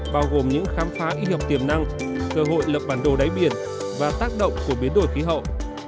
bao gồm những khám phá y hợp tiềm năng cơ hội lập bản đồ đáy biển và tác động của biến đổi khí hậu